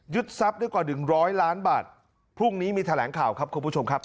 ทรัพย์ได้กว่าหนึ่งร้อยล้านบาทพรุ่งนี้มีแถลงข่าวครับคุณผู้ชมครับ